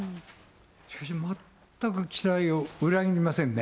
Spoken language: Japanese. しかし全く期待を裏切りませんね。